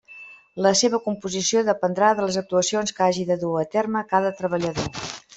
La seva composició dependrà de les actuacions que hagi de dur a terme cada treballador.